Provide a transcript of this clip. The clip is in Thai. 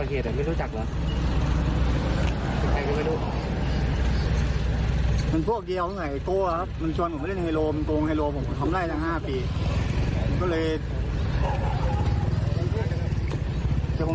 คนที่เราปลอดเหตุไม่รู้จักหรอ